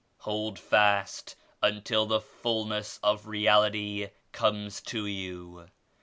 Hold fast until the fulness of Reality comes to you.